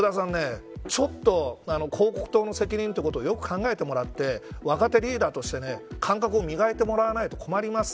もっと福田さん広告塔の責任ということをよく考えてもらって若手リーダーとして感覚を磨いてもらわないと困ります。